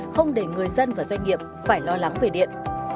không để người dân và doanh nghiệp phải lo lắng về điện